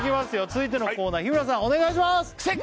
続いてのコーナー日村さんお願いします！